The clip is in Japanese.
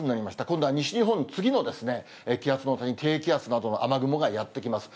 今度は西日本、次の気圧の谷、低気圧などは雨雲がやって来ます。